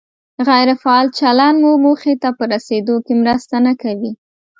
غیر فعال چلند مو موخې ته په رسېدو کې مرسته نه کوي.